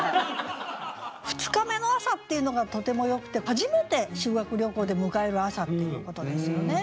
「二日目の朝」っていうのがとてもよくて初めて修学旅行で迎える朝っていうことですよね。